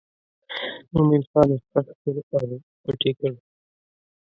مومن خان یې ښخ کړ او پټ یې کړ.